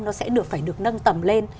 nó sẽ phải được nâng tầm lên